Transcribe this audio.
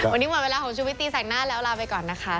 วันนี้หมดเวลาของชุวิตตีแสงหน้าแล้วลาไปก่อนนะคะ